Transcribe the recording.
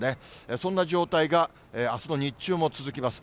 そんな状態があすの日中も続きます。